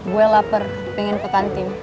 gue lapar pengen ke kantin